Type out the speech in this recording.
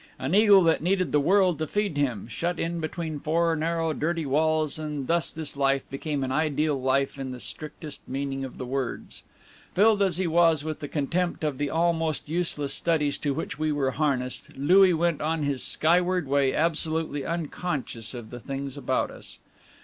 An eagle that needed the world to feed him, shut in between four narrow, dirty walls; and thus this life became an ideal life in the strictest meaning of the words. Filled as he was with contempt of the almost useless studies to which we were harnessed, Louis went on his skyward way absolutely unconscious of the things about us.